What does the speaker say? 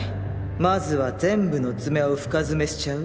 まずは全部の爪を深爪しちゃう？